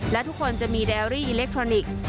และทุกคนจะมีแดรี่อิเล็กทรอนิกส์